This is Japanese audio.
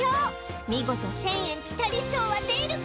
見事１０００円ピタリ賞は出るか？